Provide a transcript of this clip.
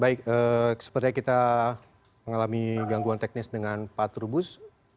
baik sepertinya kita mengalami gangguan teknis dengan pak turbus